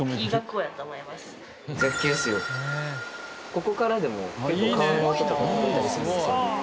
ここからでも結構川の音とか聞こえたりするんですよね。